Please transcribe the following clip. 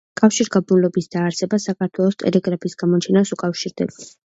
კავშირგაბმულობის დაარსება საქართველოში ტელეგრაფის გამოჩენას უკავშირდება.